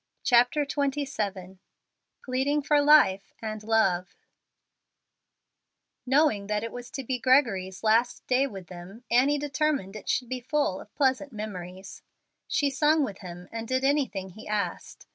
CHAPTER XXVII PLEADING FOR LIFE AND LOVE Knowing that it was to be Gregory's last day with them, Annie determined it should be full of pleasant memories. She sung with him, and did anything he asked.